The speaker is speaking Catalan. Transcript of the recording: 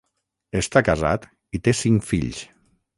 Està casat i té cinc fills.